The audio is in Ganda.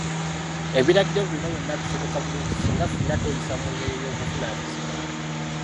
Ebiragiro bino byonna bisoboka bulungi singa ffenna tweyisa mungeri ey'obuvunaanyizbwa.